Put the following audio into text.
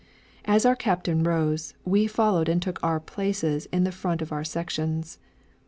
As our captain rose, we followed and took our places in front of our sections.